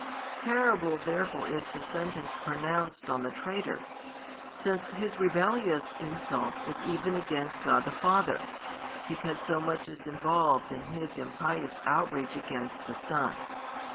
Terrible therefore is the sentence pronounced on the traitor, since his rebellious insult is even against God the Father, because so much is involved in his impious outrage against the Son.